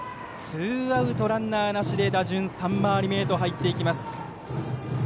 ツーアウトランナーなしで打順は３回り目へと入ります。